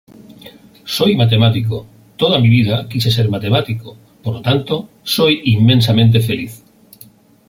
Soy matemático, toda mi vida quise ser matemático, por lo tanto: soy inmensamente feliz".